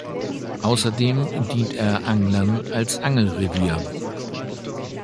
Außerdem dient er Anglern als Angelrevier.